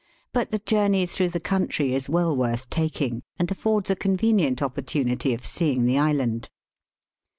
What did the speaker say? But the journey through the country is well worth taking, and affords a convenient opportunity of seeing the island.